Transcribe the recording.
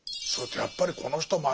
それとやっぱりこの人